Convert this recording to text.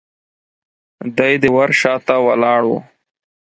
دی د ور شاته ولاړ و.